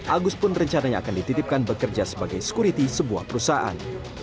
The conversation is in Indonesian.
agus pun rencananya akan dititipkan bekerja sebagai security sebuah perusahaan